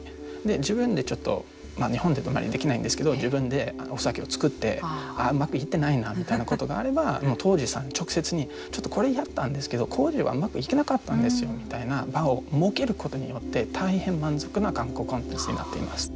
自分でちょっと日本だとできないんですけど自分でお酒を造って「ああうまくいってないな」みたいなことがあれば杜氏さんに直接に「ちょっとこれやったんですけど麹はうまくいかなかったんですよ」みたいな場を設けることによって大変満足な観光コンテンツになっています。